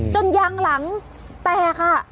ยางหลังแตกค่ะ